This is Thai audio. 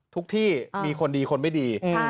ที่มีคนดีคนไม่ดี